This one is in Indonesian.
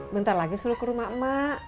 bentar lagi suruh ke rumah emak emak